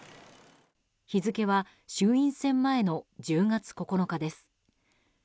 日付は、衆院選前の１０月９日です。